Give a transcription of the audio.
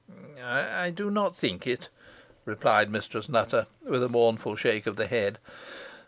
"I do not think it," replied Mistress Nutter, with a mournful shake of the head.